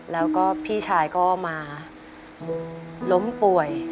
แล้วก็พี่ชายก็มามุงล้มป่วย